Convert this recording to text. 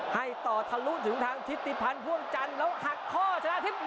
ให้ต่อทะลุถึงทางทิศติพันธ์พ่วงจันทร์แล้วหักข้อชนะทิพย์๑